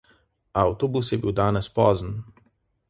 Avtobus je bil danes pozen.